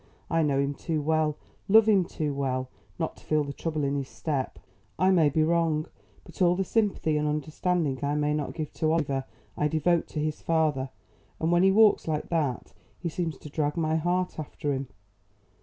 I know him too well, love him too well, not to feel the trouble in his step. I may be wrong, but all the sympathy and understanding I may not give to Oliver I devote to his father, and when he walks like that he seems to drag my heart after him.